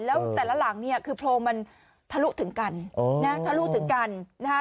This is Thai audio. แล้วแต่ละหลังเนี่ยคือโพรงมันทะลุถึงกันนะทะลุถึงกันนะฮะ